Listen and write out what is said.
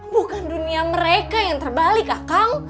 bukan dunia mereka yang terbalik akang